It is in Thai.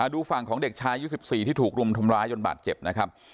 ดูฝั่งของเด็กชายอายุ๑๔ที่ถูกรุมทำร้ายจนบาดเจ็บนะครับ